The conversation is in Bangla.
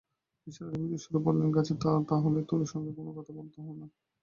নিসার আলি মৃদু স্বরে বললেন, গাছ তাহলে তোর সঙ্গে কোনো কথা বলত না?